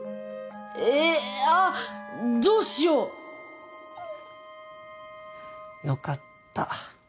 えあっどうしよう？よかった。